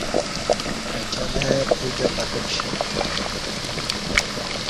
اہ چلئی ییں کہ پتہ کشی